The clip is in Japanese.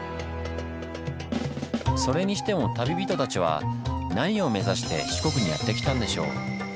それにしても旅人たちは何を目指して四国にやって来たんでしょう？